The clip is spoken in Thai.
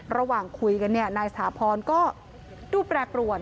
ระหว่างคุยกันเนี่ยนายสถาพรก็ดูแปรปรวน